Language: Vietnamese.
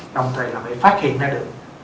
đồng thời là phải phát hiện ra được